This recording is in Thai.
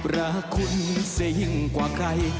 รักคุณจะยิ่งกว่าใคร